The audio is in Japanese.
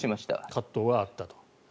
葛藤はあったと。